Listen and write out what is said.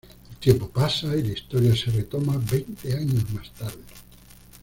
El tiempo pasa, y la historia se retoma veinte años más tarde.